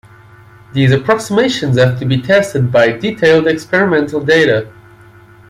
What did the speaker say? These approximations have to be tested by detailed experimental data.